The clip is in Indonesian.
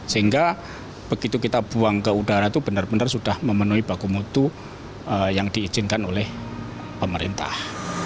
sehingga begitu kita buang ke udara itu benar benar sudah memenuhi baku mutu yang diizinkan oleh pemerintah